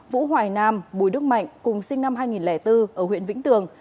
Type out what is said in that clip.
vũ hoài nam bùi đức mạnh cùng sinh năm hai nghìn bốn ở huyện vĩnh tường